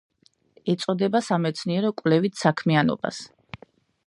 ეწეოდა სამეცნიერო კვლევით საქმიანობას.